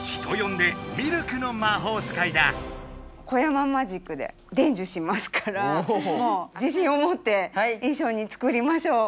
んで小山マジックででんじゅしますからもう自信をもっていっしょに作りましょう。